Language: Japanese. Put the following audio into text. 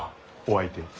お相手を。